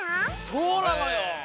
そうなのよ。